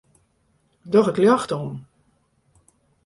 Doch it ljocht oan.